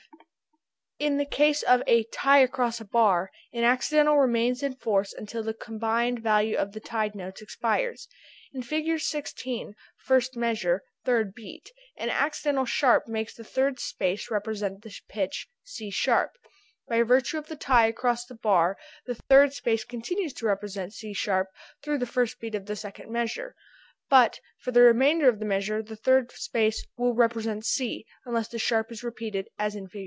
15.] 25. In the case of a tie across a bar an accidental remains in force until the combined value of the tied notes expires. In Fig. 16 first measure, third beat, an accidental sharp makes the third space represent the pitch C sharp. By virtue of the tie across the bar the third space continues to represent C sharp thru the first beat of the second measure, but for the remainder of the measure the third space will represent C unless the sharp is repeated as in Fig.